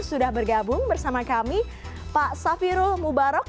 sudah bergabung bersama kami pak safirul mubarok